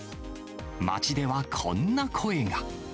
街ではこんな声が。